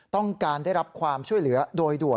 ต้องการได้รับความช่วยเหลือโดยด่วน